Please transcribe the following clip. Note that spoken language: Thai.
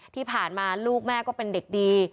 ที่ผ่านมาลูกแม่ก็เป็นเด็กดี